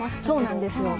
そうなんです。